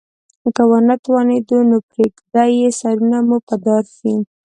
که ونه توانیدو نو پریږده سرونه مو په دار شي.